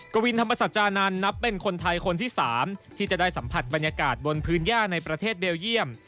กวินธรรมสัจจานันทร์นับเป็นคนไทยคนที่๓ที่จะได้สัมผัสบรรยากาศบนพื้นย่าในประเทศเบลเยี่ยม